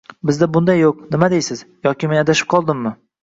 Bizda bunday yo'q, nima deysiz?! Yoki men adashib qoldimmi?